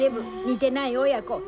似てない親子。